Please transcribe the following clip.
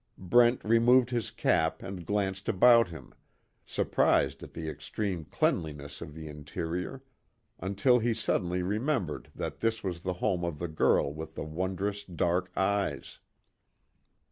Brent removed his cap and glanced about him, surprised at the extreme cleanliness of the interior, until he suddenly remembered that this was the home of the girl with the wondrous dark eyes.